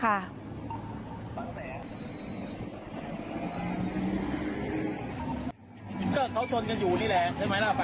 ก็เขาชนกันอยู่นี่แหละใช่ไหมล่ะ